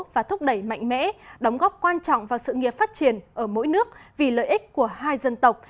và thúc đẩy mạnh mẽ đóng góp quan trọng vào sự nghiệp phát triển ở mỗi nước vì lợi ích của hai dân tộc